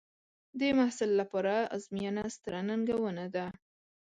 د محصل لپاره ازموینه ستره ننګونه ده.